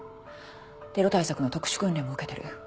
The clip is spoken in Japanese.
テロ対策の特殊訓練も受けてる。